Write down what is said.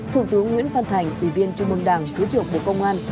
thủ tướng nguyễn văn thành ủy viên chủ mương đảng cứu trưởng bộ công an